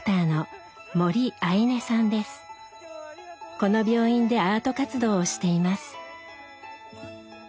この病院でアート活動をしています。